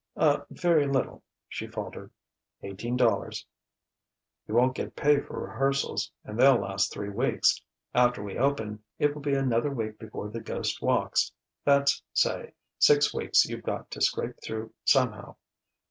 "A very little," she faltered "eighteen dollars " "You won't get pay for rehearsals; and they'll last three weeks; after we open it will be another week before the ghost walks. That's say six weeks you've got to scrape through somehow.